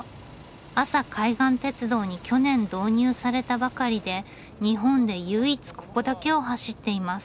阿佐海岸鉄道に去年導入されたばかりで日本で唯一ここだけを走っています。